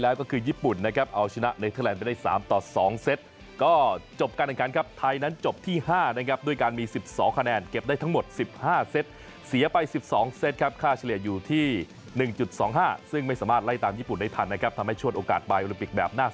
แล้วก็ทำผลงานให้ดีที่สุดในแมนต์ต่อไปค่ะ